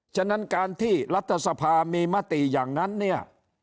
ฉะนั้นการที่รัฐสภามีมติอย่างนั้นเนี่ย